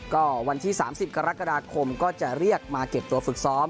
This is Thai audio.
ก็วันที่๓๐กรกฎาคมก็จะเรียกมาเก็บตัวฝึกซ้อม